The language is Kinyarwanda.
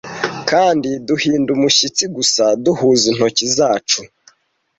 kandi duhinda umushyitsi gusa duhuza intoki zacu